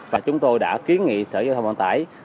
và chúng tôi đã kiến nghị sở giao thông vận tải